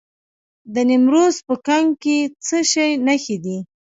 د نیمروز په کنگ کې د څه شي نښې دي؟